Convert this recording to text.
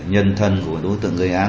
nhân thân của đối tượng gây án